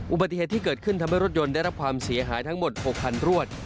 อุบัติเหตุที่เกิดขึ้นทำให้รถยนต์ได้รับความเสียหายทั้งหมด๖คันรวด